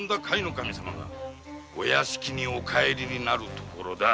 守様がお屋敷にお帰りになるところだ。